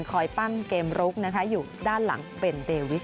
คอยปั้นเกมรุกอยู่ด้านหลังเป็นเดวิส